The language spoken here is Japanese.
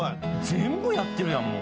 全部やってるやんもう。